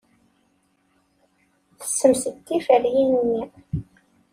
Tessemsed tiferyin-nni.